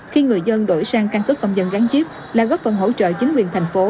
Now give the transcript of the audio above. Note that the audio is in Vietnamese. khi người dân đổi sang căn cước công dân gắn chip là góp phần hỗ trợ chính quyền thành phố